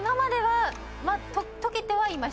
まあ解けてはいました。